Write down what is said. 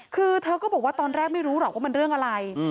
คือเธอก็บอกว่าตอนแรกไม่รู้หรอกว่ามันเรื่องอะไร